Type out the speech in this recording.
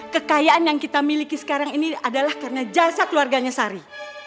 kekayaan yang kita miliki sekarang ini adalah karena jasa keluarganya sari